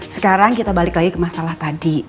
sekarang kita balik lagi ke masalah tadi